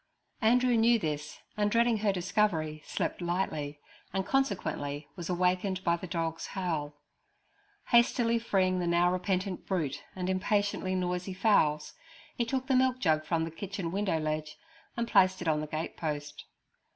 Andrew knew this, and dreading her discovery, slept lightly, and consequently was awakened by the dog's howl. Hastily freeing the now repentant brute and impatiently noisy fowls, he took the milk jug from the kitchen window ledge and placed it on the gate post.